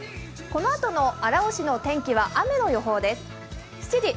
このあとの荒尾市の天気は雨の予報です。